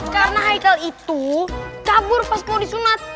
karena haikal itu kabur pas mau disunat